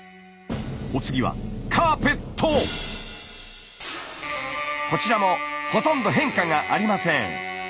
お次はこちらもほとんど変化がありません。